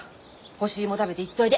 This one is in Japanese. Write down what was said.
干し芋食べて行っておいで。